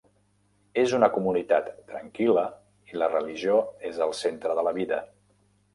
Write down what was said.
És una comunitat tranquil·la i la religió és el centre de la vida.